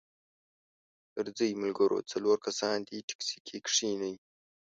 درځئ ملګرو څلور کسان دې ټیکسي کې کښینئ.